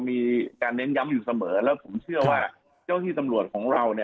มีการเน้นย้ำอยู่เสมอแล้วผมเชื่อว่าเจ้าที่ตำรวจของเราเนี่ย